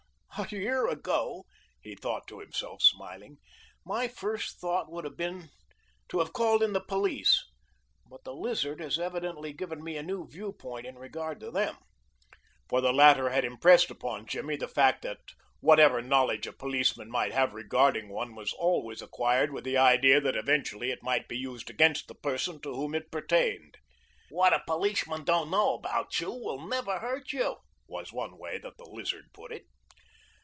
"A year ago," he thought to himself, smiling, "my first thought would have been to have called in the police, but the Lizard has evidently given me a new view point in regard to them," for the latter had impressed upon Jimmy the fact that whatever knowledge a policeman might have regarding one was always acquired with the idea that eventually it might be used against the person to whom it pertained. "What a policeman don't know about you will never hurt you," was one way that the Lizard put it.